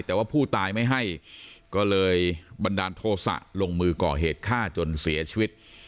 แต่ว่าผู้ตายไม่ให้ก็เลยบันดาลโทษะลงมือก่อเหตุฆ่าจนเสียชีวิต